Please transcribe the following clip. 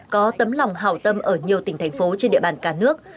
có tấm lòng hào tâm ở nhiều tỉnh thành phố trên địa bàn cả nước